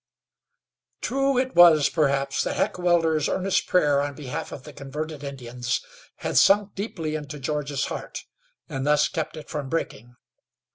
True it was, perhaps, that Heckewelder's earnest prayer on behalf of the converted Indians had sunk deeply into George's heart and thus kept it from breaking.